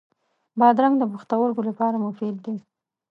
بادرنګ د پښتورګو لپاره مفید دی.